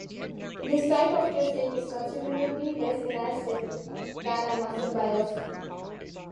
This type of testing is considerably less invasive than a muscle biopsy.